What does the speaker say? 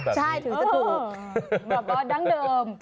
ใช่ถือจะถูก